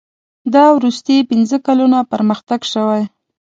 دا وروستي پنځه کلونه پرمختګ شوی.